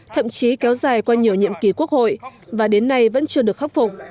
thậm chí kéo dài qua nhiều nhiệm kỳ quốc hội và đến nay vẫn chưa được khắc phục